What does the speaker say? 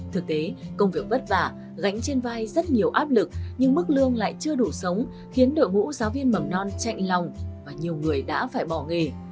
thực tế công việc vất vả gánh trên vai rất nhiều áp lực nhưng mức lương lại chưa đủ sống khiến đội ngũ giáo viên mầm non chạy lòng và nhiều người đã phải bỏ nghề